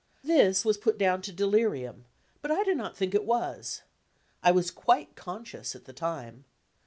This was put down to delirium, but I do not think it was. I was quite conscious at the dme.